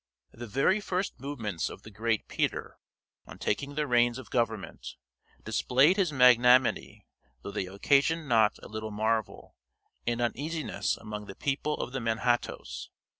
The very first movements of the great Peter, on taking the reins of government, displayed his magnanimity, though they occasioned not a little marvel and uneasiness among the people of the Manhattoes.